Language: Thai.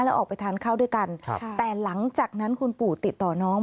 แล้วออกไปทานข้าวด้วยกันแต่หลังจากนั้นคุณปู่ติดต่อน้อง